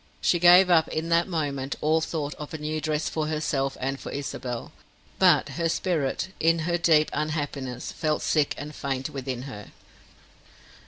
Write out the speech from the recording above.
She gave up in that moment all thought of the new dress for herself and for Isabel; but her spirit, in her deep unhappiness, felt sick and faint within her.